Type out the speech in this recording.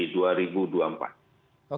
menurut saya seperti itu